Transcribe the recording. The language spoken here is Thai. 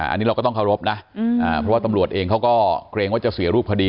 อันนี้เราก็ต้องเคารพนะเพราะว่าตำรวจเองเขาก็เกรงว่าจะเสียรูปคดี